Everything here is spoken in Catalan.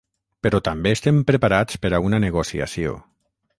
Però també estem preparats per a una negociació.